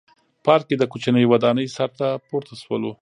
پارک کې د کوچنۍ ودانۍ سر ته پورته شولو.